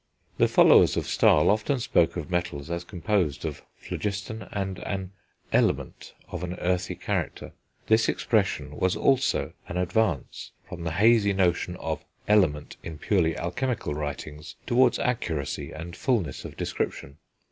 The followers of Stahl often spoke of metals as composed of phlogiston and an element of an earthy character; this expression also was an advance, from the hazy notion of Element in purely alchemical writings, towards accuracy and fulness of description.